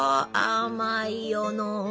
あまいよの。